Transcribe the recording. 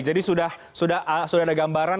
jadi sudah ada gambaran